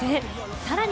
さらに。